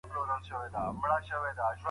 دا یو رښتینی او الهام بښونکی داستان دی.